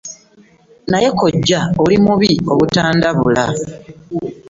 Naye kkojja oli mubi obutandabula!